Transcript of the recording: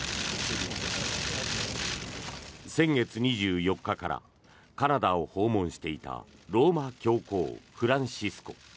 先月２４日からカナダを訪問していたローマ教皇フランシスコ。